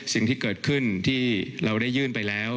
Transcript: สิ่งที่เกิดขึ้นที่เราได้ยื่นไปแล้ว